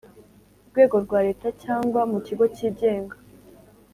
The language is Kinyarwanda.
Rwego rwa leta cyangwa mu kigo cyigenga